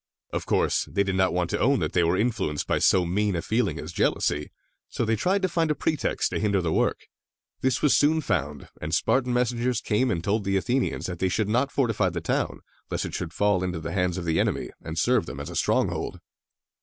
Of course, they did not want to own that they were influenced by so mean a feeling as jealousy, so they tried to find a pretext to hinder the work. This was soon found, and Spartan messengers came and told the Athenians that they should not fortify the town, lest it should fall again into the hands of the enemy, and serve them as a stronghold.